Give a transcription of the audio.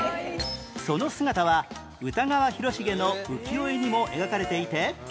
その姿は歌川広重の浮世絵にも描かれていて